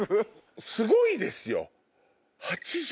すごいですよ。